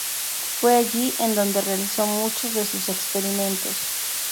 Fue allí en donde realizó muchos de sus experimentos.